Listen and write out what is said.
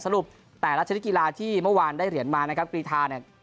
สรุปแต่ละชนิดกีฬาที่เมื่อวานได้เหรียญมานะครับกรีธาเนี่ย